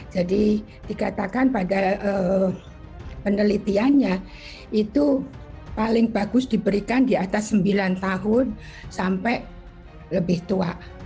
jadi dikatakan pada penelitiannya itu paling bagus diberikan di atas sembilan tahun sampai lebih tua